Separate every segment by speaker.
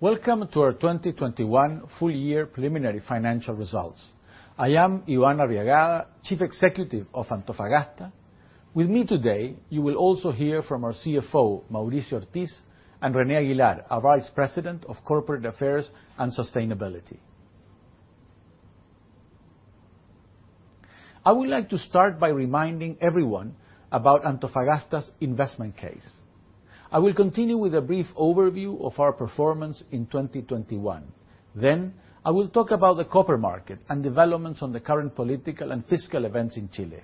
Speaker 1: Welcome to our 2021 full year preliminary financial results. I am Iván Arriagada, Chief Executive of Antofagasta. With me today, you will also hear from our CFO, Mauricio Ortiz, and René Aguilar, our Vice President of Corporate Affairs and Sustainability. I would like to start by reminding everyone about Antofagasta's investment case. I will continue with a brief overview of our performance in 2021. Then, I will talk about the copper market and developments on the current political and fiscal events in Chile.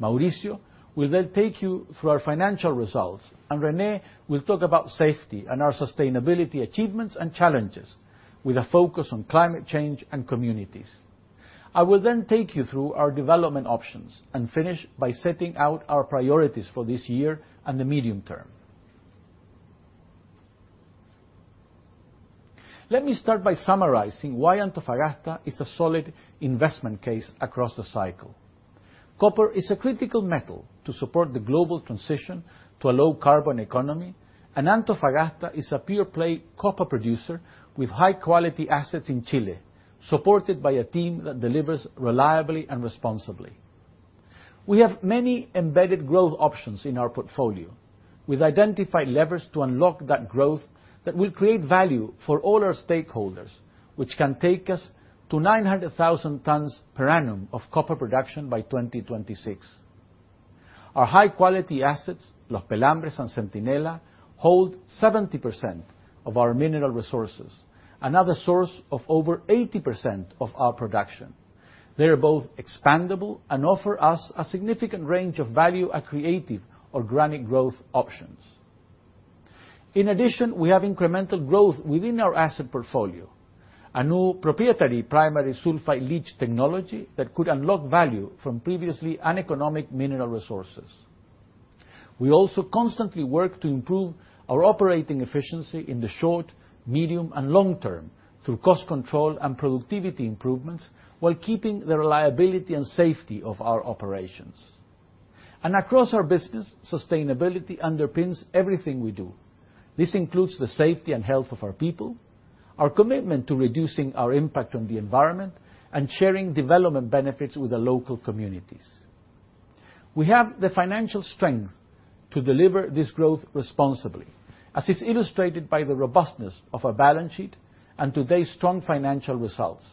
Speaker 1: Mauricio will then take you through our financial results, and René will talk about safety and our sustainability achievements and challenges, with a focus on climate change and communities. I will then take you through our development options and finish by setting out our priorities for this year and the medium term. Let me start by summarizing why Antofagasta is a solid investment case across the cycle. Copper is a critical metal to support the global transition to a low carbon economy. Antofagasta is a pure play copper producer with high-quality assets in Chile, supported by a team that delivers reliably and responsibly. We have many embedded growth options in our portfolio. We've identified levers to unlock that growth that will create value for all our stakeholders, which can take us to 900,000 tons per annum of copper production by 2026. Our high-quality assets, Los Pelambres and Centinela, hold 70% of our mineral resources, another source of over 80% of our production. They are both expandable and offer us a significant range of value and creative organic growth options. In addition, we have incremental growth within our asset portfolio, a new proprietary primary sulfide leach technology that could unlock value from previously uneconomic mineral resources. We also constantly work to improve our operating efficiency in the short, medium, and long term through cost control and productivity improvements, while keeping the reliability and safety of our operations. Across our business, sustainability underpins everything we do. This includes the safety and health of our people, our commitment to reducing our impact on the environment, and sharing development benefits with the local communities. We have the financial strength to deliver this growth responsibly, as is illustrated by the robustness of our balance sheet and today's strong financial results.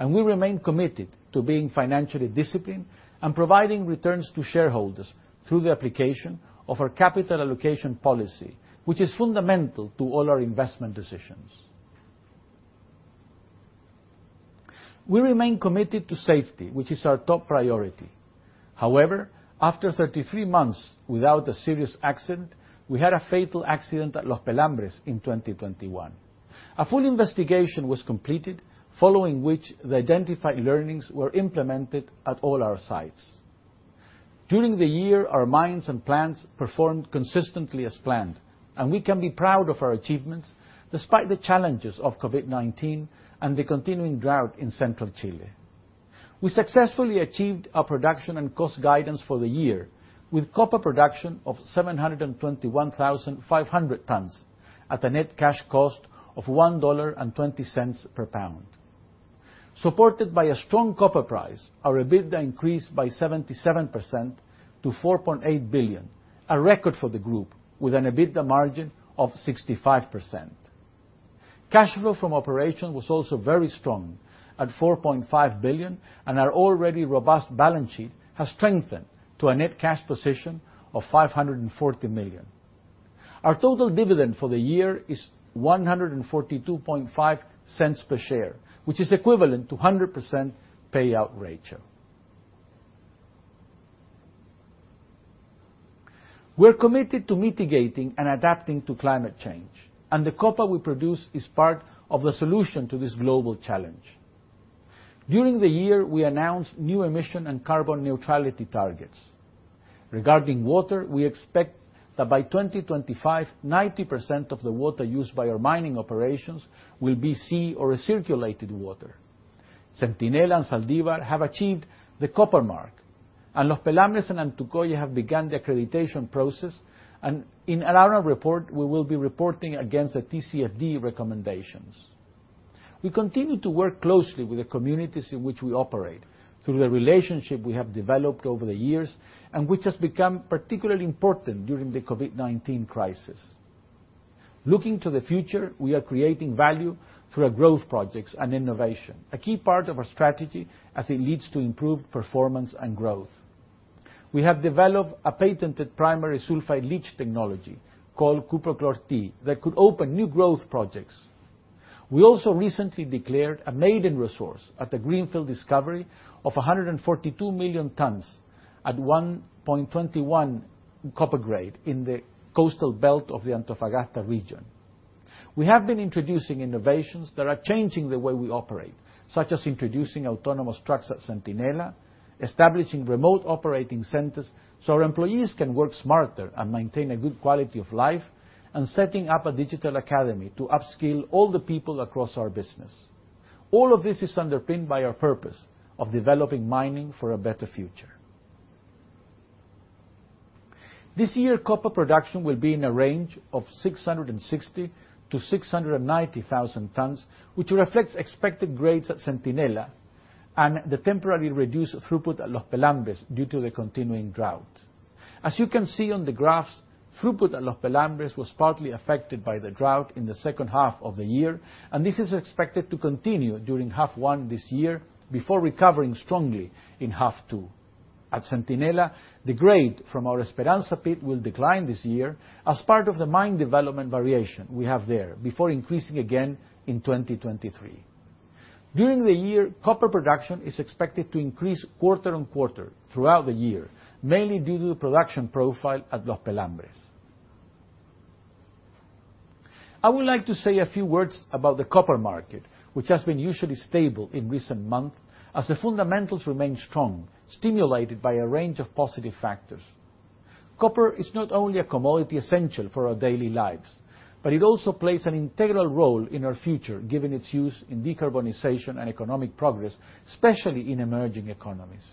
Speaker 1: We remain committed to being financially disciplined and providing returns to shareholders through the application of our capital allocation policy, which is fundamental to all our investment decisions. We remain committed to safety, which is our top priority. However, after 33 months without a serious accident, we had a fatal accident at Los Pelambres in 2021. A full investigation was completed, following which the identified learnings were implemented at all our sites. During the year, our mines and plants performed consistently as planned, and we can be proud of our achievements despite the challenges of COVID-19 and the continuing drought in central Chile. We successfully achieved our production and cost guidance for the year with copper production of 721,500 tons at a net cash cost of $1.20 per pound. Supported by a strong copper price, our EBITDA increased by 77% to $4.8 billion, a record for the group with an EBITDA margin of 65%. Cash flow from operations was also very strong at $4.5 billion, and our already robust balance sheet has strengthened to a net cash position of $540 million. Our total dividend for the year is $1.425 per share, which is equivalent to 100% payout ratio. We're committed to mitigating and adapting to climate change, and the copper we produce is part of the solution to this global challenge. During the year, we announced new emission and carbon neutrality targets. Regarding water, we expect that by 2025, 90% of the water used by our mining operations will be sea or recirculated water. Centinela and Zaldívar have achieved the Copper Mark, and Los Pelambres and Antucoya have begun the accreditation process. In our annual report, we will be reporting against the TCFD recommendations. We continue to work closely with the communities in which we operate through the relationship we have developed over the years and which has become particularly important during the COVID-19 crisis. Looking to the future, we are creating value through our growth projects and innovation, a key part of our strategy as it leads to improved performance and growth. We have developed a patented primary sulfide leach technology called Cuprochlor-T that could open new growth projects. We also recently declared a maiden resource at the greenfield discovery of 142 million tons at 1.21 copper grade in the coastal belt of the Antofagasta region. We have been introducing innovations that are changing the way we operate, such as introducing autonomous trucks at Centinela, establishing remote operating centers, so our employees can work smarter and maintain a good quality of life, and setting up a digital academy to upskill all the people across our business. All of this is underpinned by our purpose of developing mining for a better future. This year, copper production will be in a range of 660,000-690,000 tons, which reflects expected grades at Centinela and the temporary reduced throughput at Los Pelambres due to the continuing drought. As you can see on the graphs, throughput at Los Pelambres was partly affected by the drought in the second half of the year, and this is expected to continue during half one this year before recovering strongly in half two. At Centinela, the grade from our Esperanza pit will decline this year as part of the mine development variation we have there before increasing again in 2023. During the year, copper production is expected to increase quarter-on-quarter throughout the year, mainly due to the production profile at Los Pelambres. I would like to say a few words about the copper market, which has been usually stable in recent months as the fundamentals remain strong, stimulated by a range of positive factors. Copper is not only a commodity essential for our daily lives, but it also plays an integral role in our future, given its use in decarbonization and economic progress, especially in emerging economies.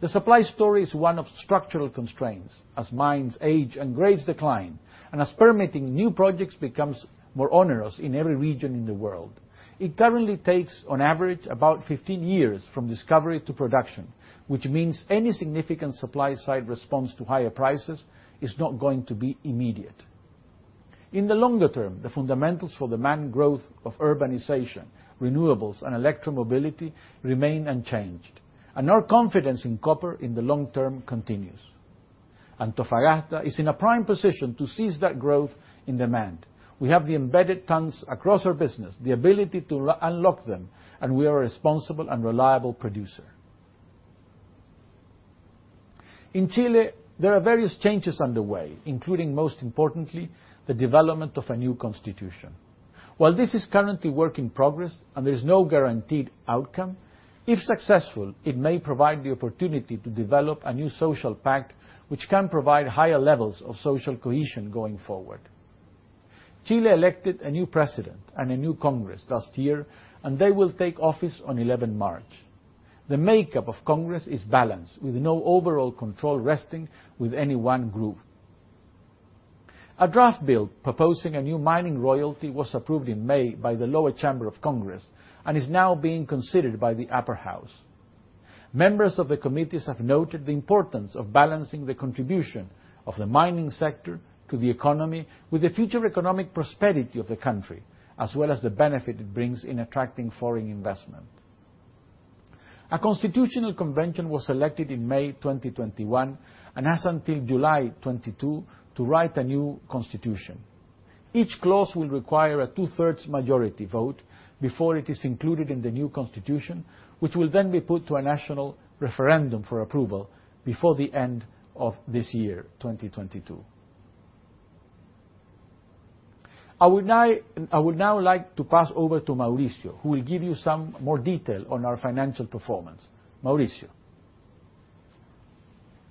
Speaker 1: The supply story is one of structural constraints as mines age and grades decline, and as permitting new projects becomes more onerous in every region in the world. It currently takes on average about 15 years from discovery to production, which means any significant supply-side response to higher prices is not going to be immediate. In the longer term, the fundamentals for demand growth of urbanization, renewables, and electromobility remain unchanged, and our confidence in copper in the long term continues. Antofagasta is in a prime position to seize that growth in demand. We have the embedded tons across our business, the ability to unlock them, and we are a responsible and reliable producer. In Chile, there are various changes underway, including, most importantly, the development of a new constitution. While this is currently work in progress and there is no guaranteed outcome, if successful, it may provide the opportunity to develop a new social pact, which can provide higher levels of social cohesion going forward. Chile elected a new president and a new Congress last year, and they will take office on 11 March. The makeup of Congress is balanced, with no overall control resting with any one group. A draft bill proposing a new mining royalty was approved in May by the lower chamber of Congress and is now being considered by the upper house. Members of the committees have noted the importance of balancing the contribution of the mining sector to the economy with the future economic prosperity of the country, as well as the benefit it brings in attracting foreign investment. A constitutional convention was elected in May 2021 and has until July 2022 to write a new constitution. Each clause will require a two-thirds majority vote before it is included in the new constitution, which will then be put to a national referendum for approval before the end of this year, 2022. I would now like to pass over to Mauricio, who will give you some more detail on our financial performance. Mauricio?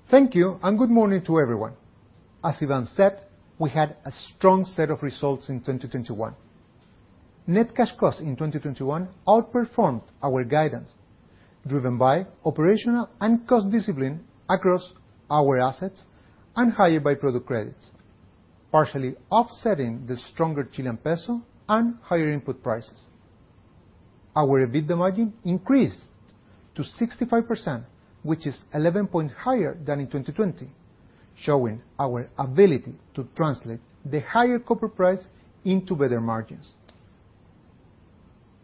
Speaker 2: Thank you, and good morning to everyone. As Iván said, we had a strong set of results in 2021. Net cash costs in 2021 outperformed our guidance, driven by operational and cost discipline across our assets and higher by-product credits, partially offsetting the stronger Chilean peso and higher input prices. Our EBITDA margin increased to 65%, which is 11 points higher than in 2020, showing our ability to translate the higher copper price into better margins.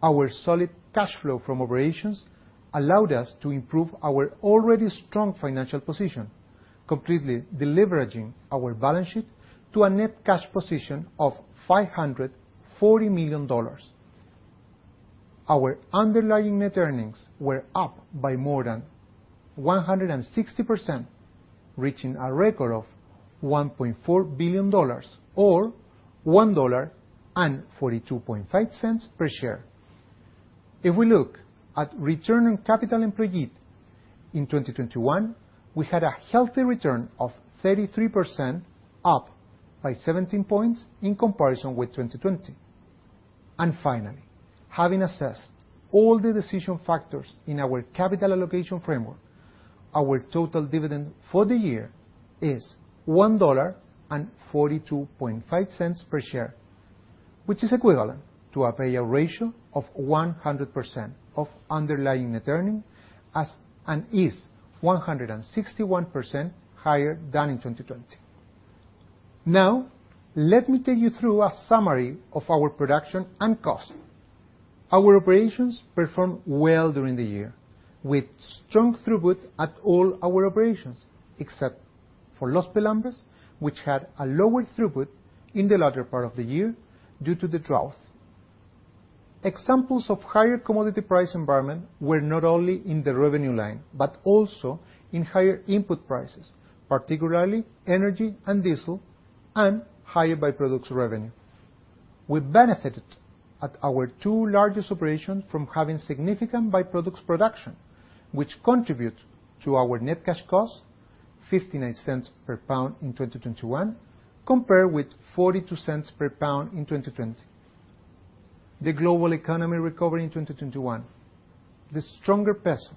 Speaker 2: Our solid cash flow from operations allowed us to improve our already strong financial position, completely deleveraging our balance sheet to a net cash position of $540 million. Our underlying net earnings were up by more than 160%, reaching a record of $1.4 billion, or $1.425 per share. If we look at return on capital employed in 2021, we had a healthy return of 33%, up by 17 points in comparison with 2020. Finally, having assessed all the decision factors in our capital allocation framework, our total dividend for the year is $1.425 per share, which is equivalent to a payout ratio of 100% of underlying net earnings, as, and is 161% higher than in 2020. Now, let me take you through a summary of our production and cost. Our operations performed well during the year, with strong throughput at all our operations, except for Los Pelambres, which had a lower throughput in the latter part of the year due to the drought. Examples of higher commodity price environment were not only in the revenue line, but also in higher input prices, particularly energy, diesel, and higher by-products revenue. We benefited at our two largest operations from having significant by-products production, which contribute to our net cash costs $0.59 per pound in 2021, compared with $0.42 per pound in 2020. The global economic recovery in 2021, the stronger peso,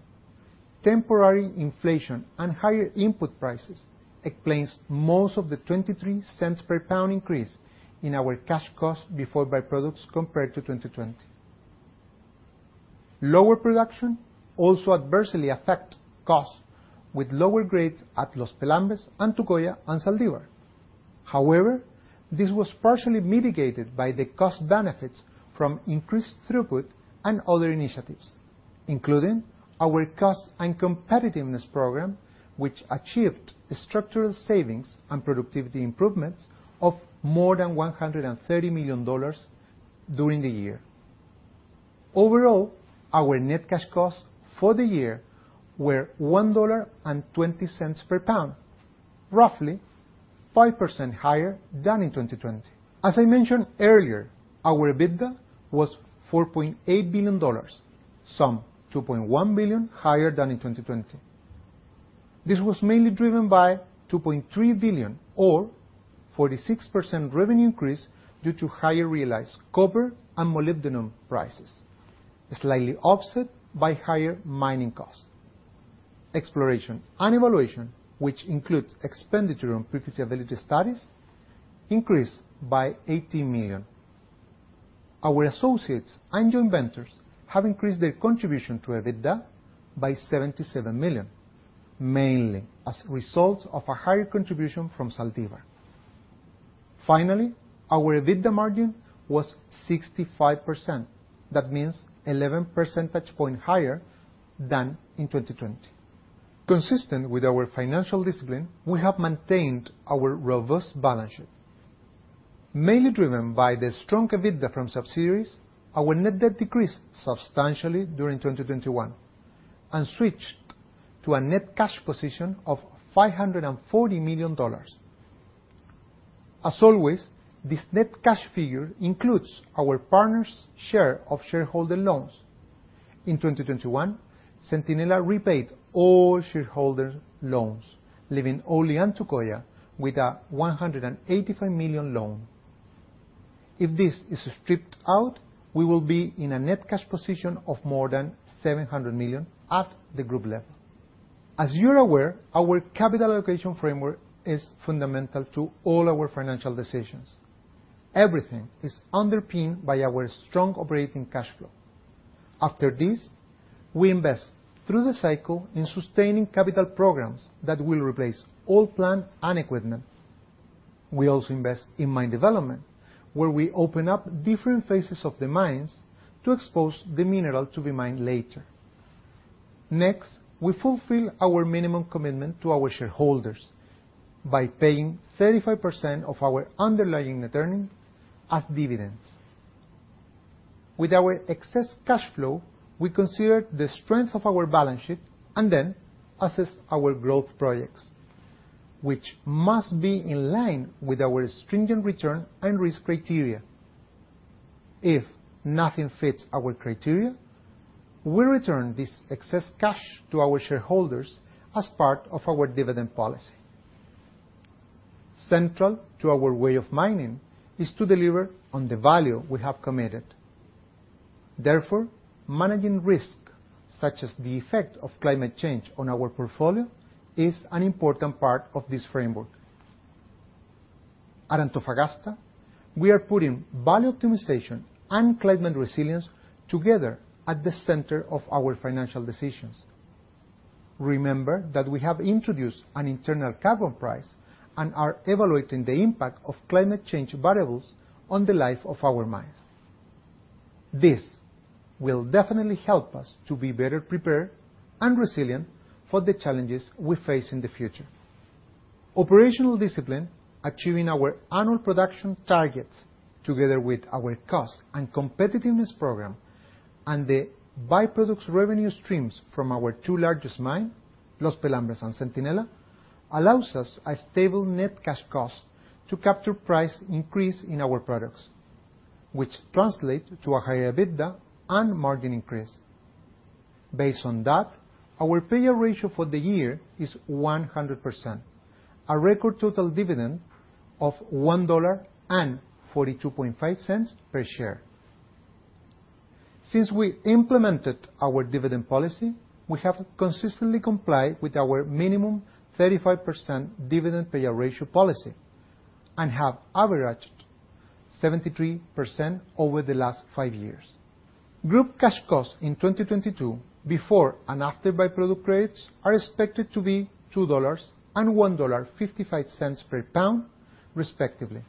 Speaker 2: temporary inflation, and higher input prices explains most of the $0.23 per pound increase in our cash costs before by-products compared to 2020. Lower production also adversely affect costs with lower grades at Los Pelambres, Centinela, and Zaldívar. However, this was partially mitigated by the cost benefits from increased throughput and other initiatives, including our Cost and Competitiveness Programme, which achieved structural savings and productivity improvements of more than $130 million during the year. Overall, our net cash costs for the year were $1.20 per pound, roughly 5% higher than in 2020. As I mentioned earlier, our EBITDA was $4.8 billion, some $2.1 billion higher than in 2020. This was mainly driven by $2.3 billion or 46% revenue increase due to higher realized copper and molybdenum prices, slightly offset by higher mining costs. Exploration and evaluation, which includes expenditure on profitability studies, increased by $80 million. Our associates and joint ventures have increased their contribution to EBITDA by $77 million, mainly as a result of a higher contribution from Zaldívar. Finally, our EBITDA margin was 65%. That means 11 percentage points higher than in 2020. Consistent with our financial discipline, we have maintained our robust balance sheet. Mainly driven by the strong EBITDA from subsidiaries, our net debt decreased substantially during 2021 and switched to a net cash position of $540 million. As always, this net cash figure includes our partner's share of shareholder loans. In 2021, Centinela repaid all shareholder loans, leaving only Antucoya with a $185 million loan. If this is stripped out, we will be in a net cash position of more than $700 million at the group level. As you're aware, our capital allocation framework is fundamental to all our financial decisions. Everything is underpinned by our strong operating cash flow. After this, we invest through the cycle in sustaining capital programs that will replace all plant and equipment. We also invest in mine development, where we open up different phases of the mines to expose the mineral to be mined later. Next, we fulfill our minimum commitment to our shareholders by paying 35% of our underlying net earnings as dividends. With our excess cash flow, we consider the strength of our balance sheet and then assess our growth projects, which must be in line with our stringent return and risk criteria. If nothing fits our criteria, we return this excess cash to our shareholders as part of our dividend policy. Central to our way of mining is to deliver on the value we have committed. Therefore, managing risk, such as the effect of climate change on our portfolio, is an important part of this framework. At Antofagasta, we are putting value optimization and climate resilience together at the center of our financial decisions. Remember that we have introduced an internal carbon price and are evaluating the impact of climate change variables on the life of our mines. This will definitely help us to be better prepared and resilient for the challenges we face in the future. Operational discipline, achieving our annual production targets together with our Cost and Competitiveness Programme, and the byproducts revenue streams from our two largest mines, Los Pelambres and Centinela, allows us a stable net cash cost to capture price increase in our products, which translate to a higher EBITDA and margin increase. Based on that, our payout ratio for the year is 100%, a record total dividend of $1.425 per share. Since we implemented our dividend policy, we have consistently complied with our minimum 35% dividend payout ratio policy and have averaged 73% over the last five years. Group cash costs in 2022 before and after byproduct rates are expected to be $2 and $1.55 per pound, respectively,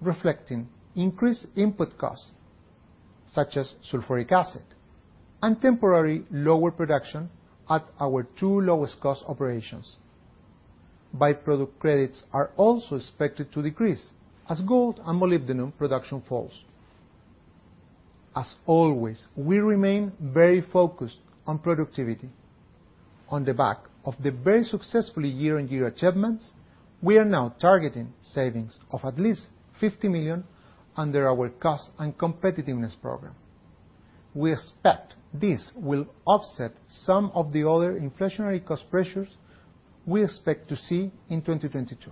Speaker 2: reflecting increased input costs, such as sulfuric acid and temporary lower production at our two lowest cost operations. Byproduct credits are also expected to decrease as gold and molybdenum production falls. As always, we remain very focused on productivity. On the back of the very successful year-on-year achievements, we are now targeting savings of at least $50 million under our Cost and Competitiveness Programme. We expect this will offset some of the other inflationary cost pressures we expect to see in 2022.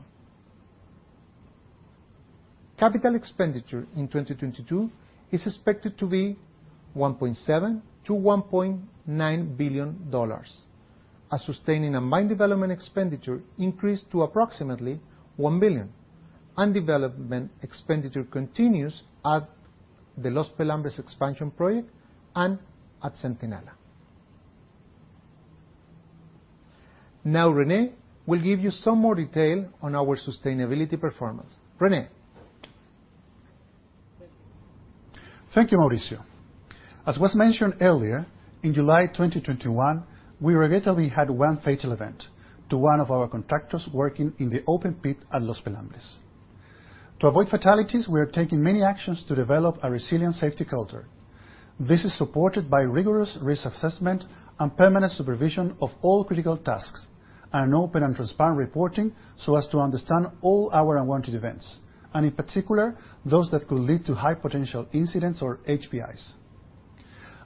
Speaker 2: Capital expenditure in 2022 is expected to be $1.7 billion-$1.9 billion. Sustaining and mine development expenditure increased to approximately $1 billion, and development expenditure continues at the Los Pelambres expansion project and at Centinela. Now René will give you some more detail on our sustainability performance. René?
Speaker 3: Thank you, Mauricio. As was mentioned earlier, in July 2021, we regrettably had one fatal event to one of our contractors working in the open pit at Los Pelambres. To avoid fatalities, we are taking many actions to develop a resilient safety culture. This is supported by rigorous risk assessment and permanent supervision of all critical tasks, and an open and transparent reporting so as to understand all our unwanted events, and in particular, those that could lead to high-potential incidents or HPIs.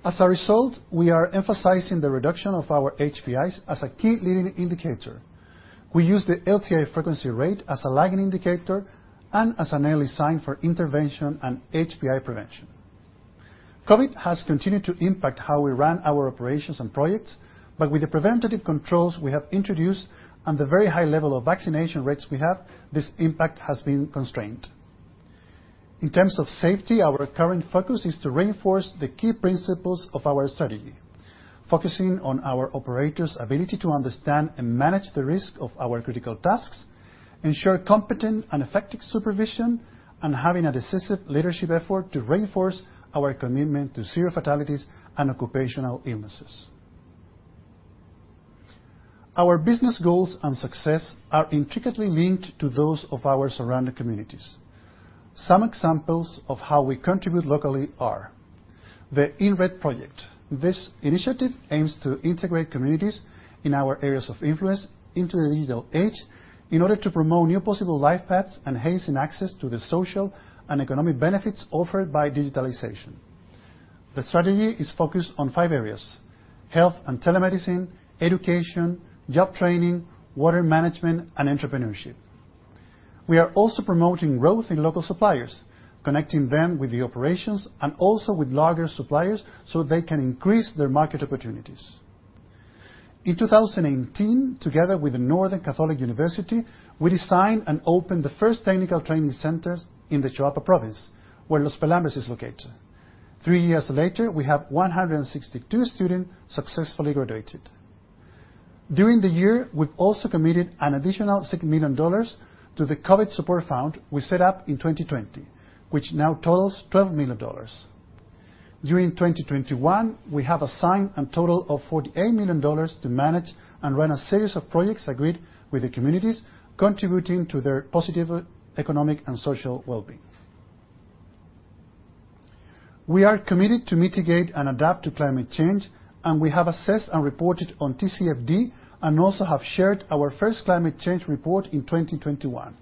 Speaker 3: As a result, we are emphasizing the reduction of our HPIs as a key leading indicator. We use the LTI frequency rate as a lagging indicator and as an early sign for intervention and HPI prevention. COVID has continued to impact how we run our operations and projects, but with the preventative controls we have introduced and the very high level of vaccination rates we have, this impact has been constrained. In terms of safety, our current focus is to reinforce the key principles of our strategy, focusing on our operators' ability to understand and manage the risk of our critical tasks, ensure competent and effective supervision, and having a decisive leadership effort to reinforce our commitment to zero fatalities and occupational illnesses. Our business goals and success are intricately linked to those of our surrounding communities. Some examples of how we contribute locally are the Enred project. This initiative aims to integrate communities in our areas of influence into the digital age in order to promote new possible life paths and hasten access to the social and economic benefits offered by digitalization. The strategy is focused on five areas, health and telemedicine, education, job training, water management, and entrepreneurship. We are also promoting growth in local suppliers, connecting them with the operations and also with larger suppliers so they can increase their market opportunities. In 2018, together with the Northern Catholic University, we designed and opened the first technical training centers in the Choapa Province, where Los Pelambres is located. Three years later, we have 162 students successfully graduated. During the year, we've also committed an additional $6 million to the COVID Support Fund we set up in 2020, which now totals $12 million. During 2021, we have assigned a total of $48 million to manage and run a series of projects agreed with the communities, contributing to their positive economic and social well-being. We are committed to mitigate and adapt to climate change, and we have assessed and reported on TCFD and also have shared our first climate change report in 2021.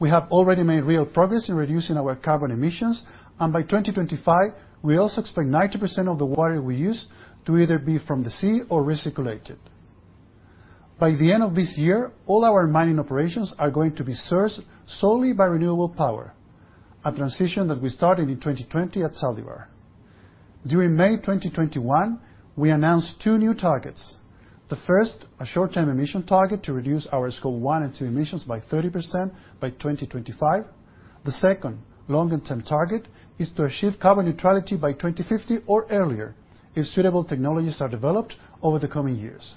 Speaker 3: We have already made real progress in reducing our carbon emissions, and by 2025, we also expect 90% of the water we use to either be from the sea or recirculated. By the end of this year, all our mining operations are going to be sourced solely by renewable power, a transition that we started in 2020 at Zaldívar. During May 2021, we announced two new targets. The first, a short-term emission target to reduce our Scope 1 and 2 emissions by 30% by 2025. The second, longer-term target, is to achieve carbon neutrality by 2050 or earlier if suitable technologies are developed over the coming years.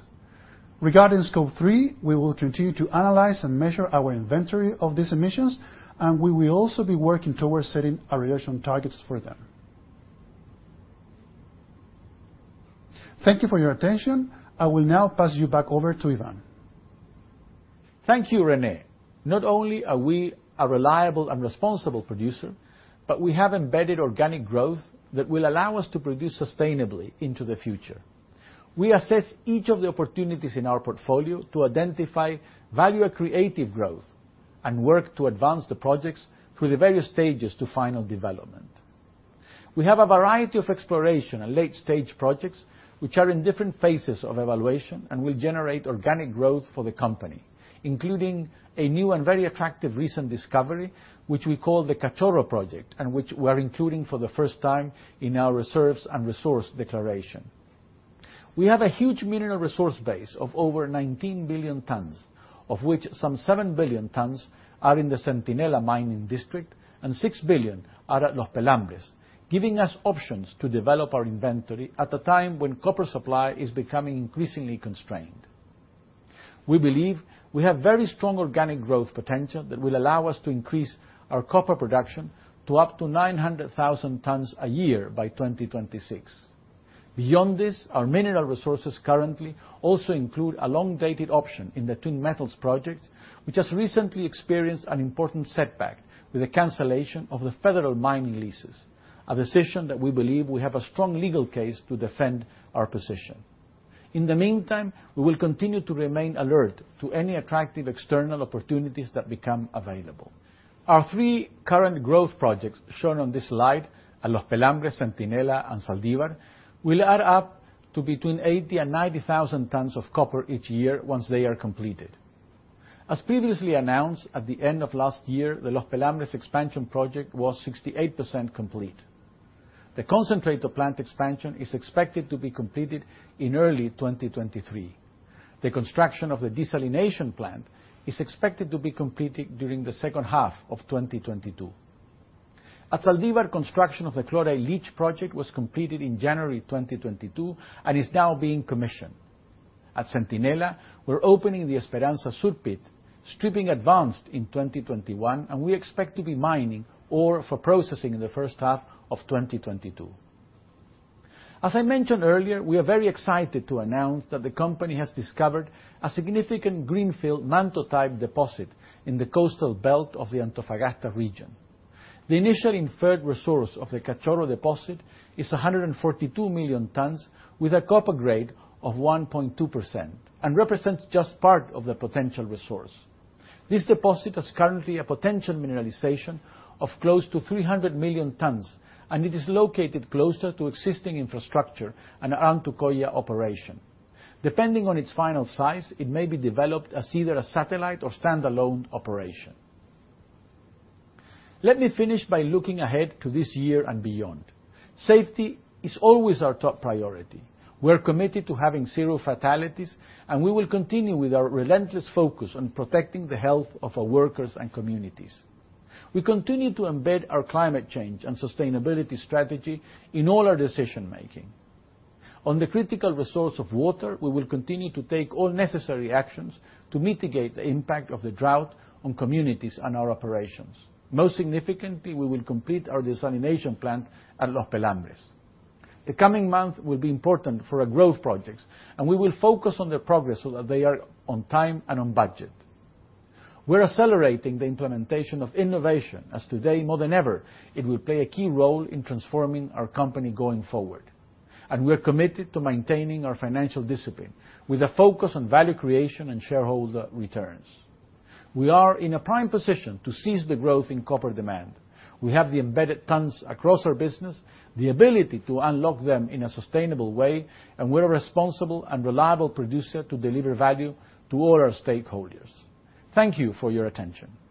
Speaker 3: Regarding Scope 3, we will continue to analyze and measure our inventory of these emissions, and we will also be working towards setting our reduction targets for them. Thank you for your attention. I will now pass you back over to Iván.
Speaker 1: Thank you, René. Not only are we a reliable and responsible producer, but we have embedded organic growth that will allow us to produce sustainably into the future. We assess each of the opportunities in our portfolio to identify value or creative growth and work to advance the projects through the various stages to final development. We have a variety of exploration and late-stage projects which are in different phases of evaluation and will generate organic growth for the company, including a new and very attractive recent discovery, which we call the Cachorro Project, and which we're including for the first time in our reserves and resource declaration. We have a huge mineral resource base of over 19 billion tons, of which some seven billion tons are in the Centinela Mining District and six billion are at Los Pelambres, giving us options to develop our inventory at a time when copper supply is becoming increasingly constrained. We believe we have very strong organic growth potential that will allow us to increase our copper production to up to 900,000 tons a year by 2026. Beyond this, our mineral resources currently also include a long-dated option in the Twin Metals project, which has recently experienced an important setback with the cancellation of the federal mining leases, a decision that we believe we have a strong legal case to defend our position. In the meantime, we will continue to remain alert to any attractive external opportunities that become available. Our three current growth projects shown on this slide, Los Pelambres, Centinela, and Zaldívar, will add up to between 80,000 tons-90,000 tons of copper each year once they are completed. As previously announced, at the end of last year, the Los Pelambres expansion project was 68% complete. The concentrator plant expansion is expected to be completed in early 2023. The construction of the desalination plant is expected to be completed during the second half of 2022. At Zaldívar, construction of the chloride leach project was completed in January 2022 and is now being commissioned. At Centinela, we're opening the Esperanza Sur pit, stripping advanced in 2021, and we expect to be mining ore for processing in the first half of 2022. As I mentioned earlier, we are very excited to announce that the company has discovered a significant greenfield Manto-type deposit in the coastal belt of the Antofagasta region. The initial inferred resource of the Cachorro deposit is 142 million tons with a copper grade of 1.2% and represents just part of the potential resource. This deposit has currently a potential mineralization of close to 300 million tons, and it is located closer to existing infrastructure and our Antucoya operation. Depending on its final size, it may be developed as either a satellite or standalone operation. Let me finish by looking ahead to this year and beyond. Safety is always our top priority. We're committed to having 0 fatalities, and we will continue with our relentless focus on protecting the health of our workers and communities. We continue to embed our climate change and sustainability strategy in all our decision-making. On the critical resource of water, we will continue to take all necessary actions to mitigate the impact of the drought on communities and our operations. Most significantly, we will complete our desalination plant at Los Pelambres. The coming month will be important for our growth projects, and we will focus on their progress so that they are on time and on budget. We're accelerating the implementation of innovation as today, more than ever, it will play a key role in transforming our company going forward. We're committed to maintaining our financial discipline with a focus on value creation and shareholder returns. We are in a prime position to seize the growth in copper demand. We have the embedded tons across our business, the ability to unlock them in a sustainable way, and we're a responsible and reliable producer to deliver value to all our stakeholders. Thank you for your attention.